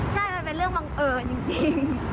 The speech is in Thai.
ใช่มันเป็นเรื่องบังเอิญจริง